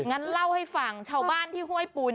งั้นเล่าให้ฟังชาวบ้านที่ห้วยปูน